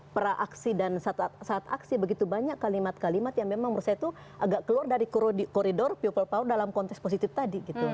pra aksi dan saat aksi begitu banyak kalimat kalimat yang memang menurut saya itu agak keluar dari koridor people power dalam konteks positif tadi gitu